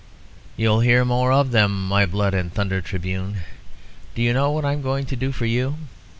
"You'll hear more of them, my blood and thunder tribune. Do you know what I am going to do for you?"